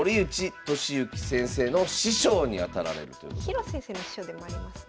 広瀬先生の師匠でもありますね。